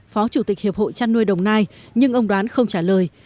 phó chủ tịch hiệp hội trăn nuôi đồng nai nhưng ông đoán không trả lời